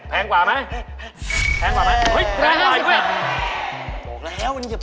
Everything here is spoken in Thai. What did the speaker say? แพงกว่าไหม